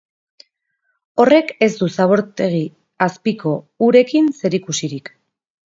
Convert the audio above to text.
Horrek ez du zabortegi azpiko urekin zerikusirik.